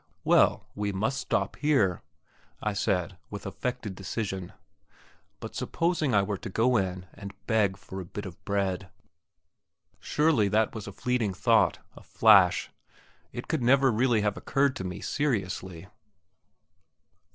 "Well, we must stop here!" I said, with affected decision. But supposing I were to go in and beg for a bit of bread? Surely that was a fleeting thought, a flash; it could never really have occurred to me seriously.